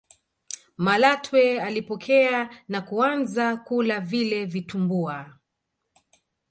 malatwe alipokea na kuanza kula vile vitumbua